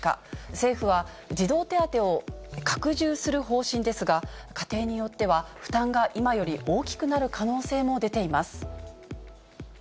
政府は児童手当を拡充する方針ですが、家庭によっては負担が今より大きくなる可能性も出ています。